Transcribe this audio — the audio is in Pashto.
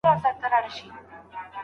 موږ د رسول الله سنت نه پريږدو.